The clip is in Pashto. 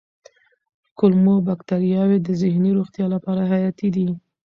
کولمو بکتریاوې د ذهني روغتیا لپاره حیاتي دي.